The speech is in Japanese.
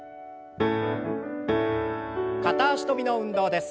片脚跳びの運動です。